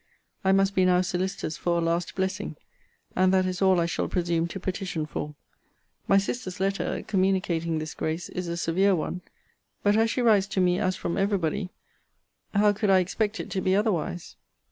I must be now solicitous for a last blessing; and that is all I shall presume to petition for. My sister's letter, communicating this grace, is a severe one: but as she writes to me as from every body, how could I expect it to be otherwise?